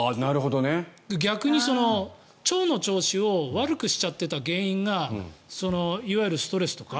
逆に腸の調子を悪くしちゃってた原因がいわゆるストレスとか